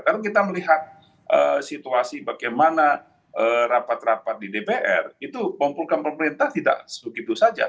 karena kita melihat situasi bagaimana rapat rapat di dpr itu pompulkan pemerintah tidak sebegitu saja